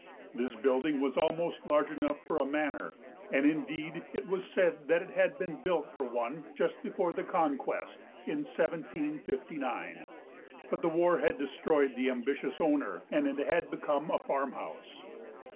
This building was almost large enough for a manor, and in deed it was said that it had been built for one just be fore the conquest in 1759, but the war had destroyed the ambitious owner, and it had become a farm house.